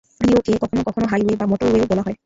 ফ্রিওয়েকে কখনও কখনও হাইওয়ে বা মোটরওয়ে বলা হয়।